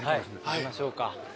行きましょうか。